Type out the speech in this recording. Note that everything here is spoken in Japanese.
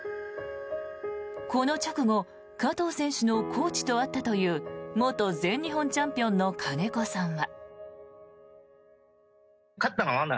この直後、加藤選手のコーチと会ったという元全日本チャンピオンの金子さんは。